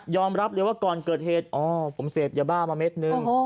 ยอมรับหรือว่าก่อนเกิดเหตุอ๋อผมเสพยาบ้ามาเม็ดหนึ่งโอ้โห